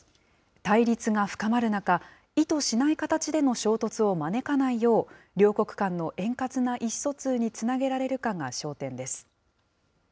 対立が深まる中、意図しない形での衝突を招かないよう、両国間の円滑な意思疎通につなげられるかが焦点です。